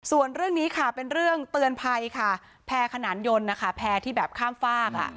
ส่วนเรื่องนี้ค่ะเป็นเรื่องเตือนภัยค่ะแพร่ขนานยนต์นะคะแพร่ที่แบบข้ามฝาก